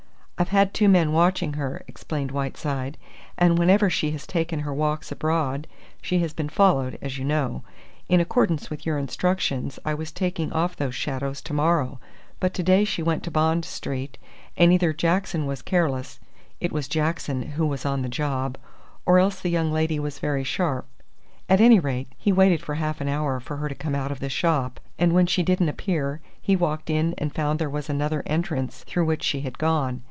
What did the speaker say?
"I've had two men watching her," explained Whiteside, "and whenever she has taken her walks abroad she has been followed, as you know. In accordance with your instructions I was taking off those shadows to morrow, but to day she went to Bond Street, and either Jackson was careless it was Jackson who was on the job or else the young lady was very sharp; at any rate, he waited for half an hour for her to come out of the shop, and when she didn't appear he walked in and found there was another entrance through which she had gone.